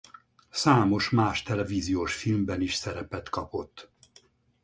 Számos más televíziós filmben is szerepet kapott.